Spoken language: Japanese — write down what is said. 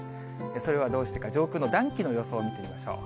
それはどうしてか、上空の暖気の予想を見てみましょう。